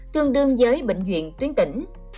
tương đương với bệnh viện tuyến tỉnh